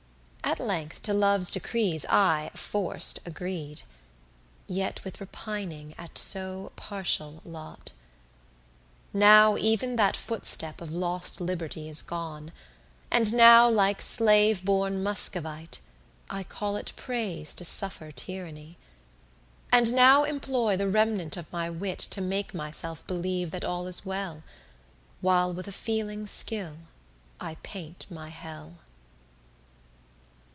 At length to love's decrees I, forc'd, agreed, Yet with repining at so partial lot. Now even that footstep of lost liberty Is gone, and now like slave born Muscovite I call it praise to suffer tyranny; And now employ the remnant of my wit To make myself believe that all is well, While with a feeling skill I paint my hell.